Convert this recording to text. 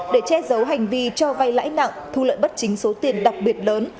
để che giấu hành vi cho vay lãi nặng thu lợi bất chính số tiền đặc biệt lớn